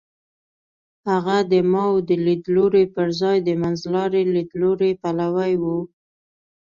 هغه د ماوو د لیدلوري پر ځای منځلاري لیدلوري پلوی و.